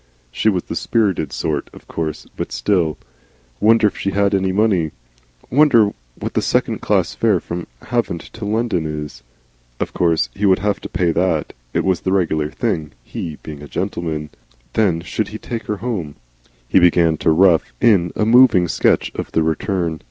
She was the spirited sort, of course, but still Wonder if she had any money? Wonder what the second class fare from Havant to London is? Of course he would have to pay that it was the regular thing, he being a gentleman. Then should he take her home? He began to rough in a moving sketch of the return.